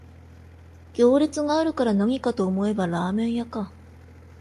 行列があるからなにかと思えばラーメン屋か